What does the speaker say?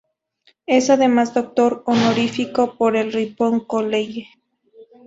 Es además doctor honorífico por el "Ripon College".